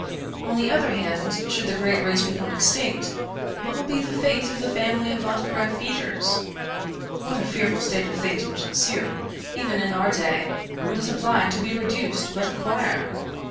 On the other hand should the great race become extinct, what will be the fate of the family of autograph feeders? What a fearful state of things would ensue, even in our day, were the supply to be reduced but a quire!